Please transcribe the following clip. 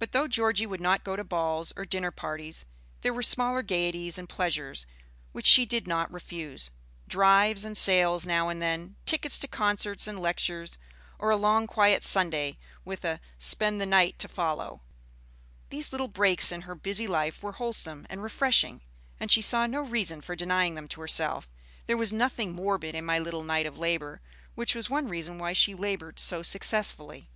But though Georgie would not go to balls or dinner parties, there were smaller gayeties and pleasures which she did not refuse, drives and sails now and then, tickets to concerts and lectures, or a long quiet Sunday with a "spend the night" to follow. These little breaks in her busy life were wholesome and refreshing, and she saw no reason for denying them to herself. There was nothing morbid in my little Knight of Labor, which was one reason why she labored so successfully.